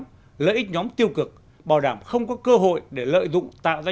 đủ tầm lợi ích nhóm tiêu cực bảo đảm không có cơ hội để lợi dụng tạo ra